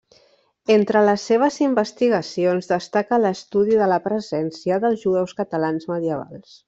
Entre les seves investigacions, destaca l'estudi de la presència dels jueus catalans medievals.